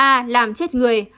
a làm chết người